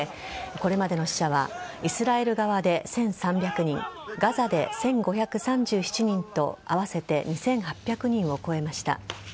これまでの死者はイスラエル側で１３００人ガザで１５３７人と合わせて２８００人を超えました。